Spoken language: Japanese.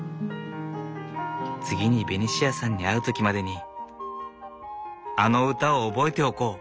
次にベニシアさんに会う時までにあの歌を覚えておこう。